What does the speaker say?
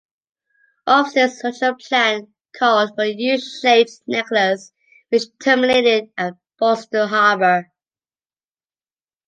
Olmsted's original plan called for a "U"-shaped necklace which terminated at Boston Harbor.